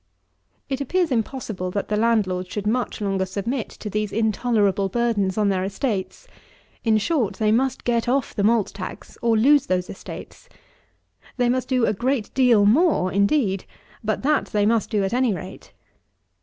22. It appears impossible that the landlords should much longer submit to these intolerable burdens on their estates. In short, they must get off the malt tax, or lose those estates. They must do a great deal more, indeed; but that they must do at any rate.